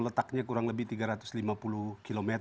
letaknya kurang lebih tiga ratus lima puluh km